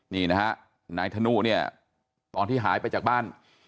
นี่นะฮะนายธนุเนี่ยตอนที่หายไปจากบ้าน